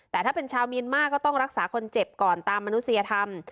แต่ถ้าเป็นชาวเมียนมาร์ก็ต้องรักษาคนเจ็บก่อนตามมนุษยธรรม